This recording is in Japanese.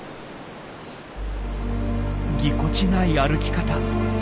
ぎこちない歩き方。